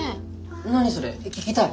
何それ聞きたい。